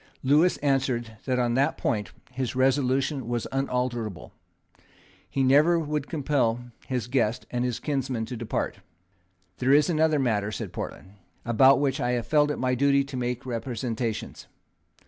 Lewis answered that on that point his resolution was unalterable. He never would compel his guest and kinsman to depart. "There is another matter," said Portland, "about which I have felt it my duty to make representations.